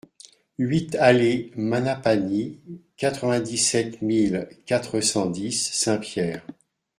huit allée Manapany, quatre-vingt-dix-sept mille quatre cent dix Saint-Pierre